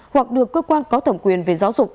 hoặc được cơ quan có thẩm quyền về giáo dục